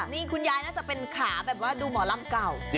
นี่คุณยายน่าจะเป็นขาแบบว่าดูหมอลำเก่า